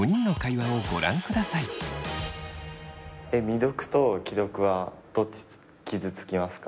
未読と既読はどっち傷つきますか？